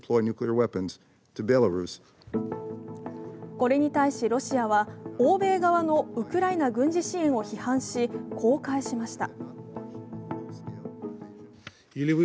これに対しロシアは欧米側のウクライナ軍事支援を批判し、こう返しました。